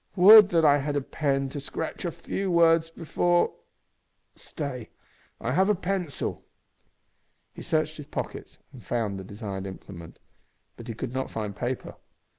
Would that I had a pen to scratch a few words before stay, I have a pencil." He searched his pockets and found the desired implement, but he could not find paper.